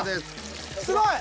すごい。